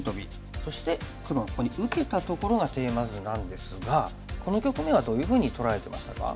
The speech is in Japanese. そして黒がここに受けたところがテーマ図なんですがこの局面はどういうふうに捉えてましたか？